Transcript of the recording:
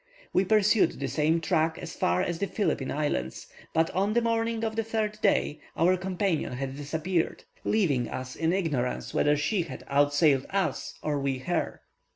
We pursued the same track as far as the Philippine Islands, but on the morning of the third day our companion had disappeared, leaving us in ignorance whether she had out sailed us or we her.